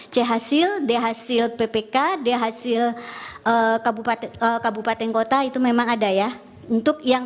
c hasil deh hasil ppk deh hasil kabupaten kabupaten kota itu memang ada ya untuk yang